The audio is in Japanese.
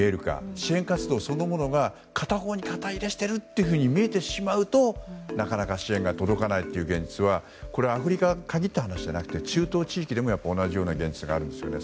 支援活動そのものが片方に肩入れしていると見えてしまうとなかなか支援が届かない現実がこれはアフリカに限った話ではなくて中東地域でも同じような現状があるんですね。